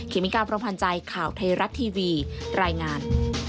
เขียนเป็นการประพันธ์ใจข่าวไทยรักทีวีรายงาน